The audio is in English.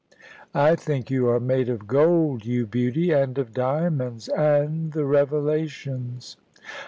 "I think you are made of gold, you beauty; and of diamonds, and the Revelations."